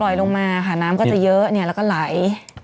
เขื่อนปล่อยลงมาค่ะน้ำก็ยังเยอะแล้วก็ไหล